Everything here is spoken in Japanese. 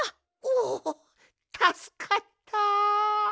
おおたすかった。